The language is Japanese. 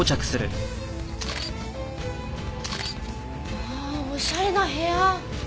わあおしゃれな部屋！